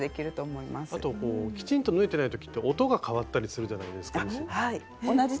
あとこうきちんと縫えてない時って音が変わったりするじゃないですかミシンって。